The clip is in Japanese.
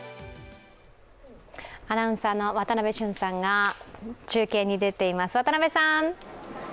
アナウンサーの渡部峻さんが中継に出ています。